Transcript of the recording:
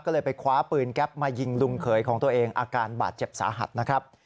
ก็เลยไปคว้าปืนแก๊ปมายิงลุงเขยของตัวเองอาการบาดเจ็บสาหัสนะครับ